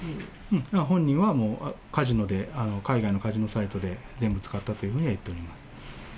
本人はもう、カジノで、海外のカジノサイトで、全部使ったというふうには言っています。